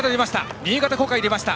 新潟の小海が出ました。